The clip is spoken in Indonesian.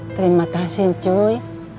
terima kasih ncuy